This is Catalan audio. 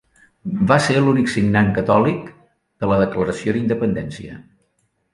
Va ser l'únic signant catòlic de la Declaració d'Independència.